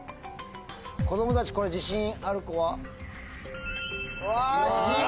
子供たちこれ自信ある子は？わ！